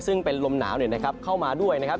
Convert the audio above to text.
ซึ่งเป็นลมหนาวเข้ามาด้วยนะครับ